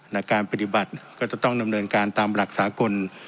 ในการปฏิบัติก็จะต้องดำเนินการตามหลักสากล